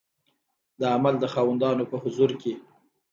د عمل د خاوندانو په حضور کې